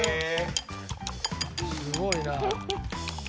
すごいな。